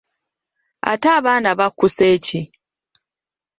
Ate abaana bakusse ki?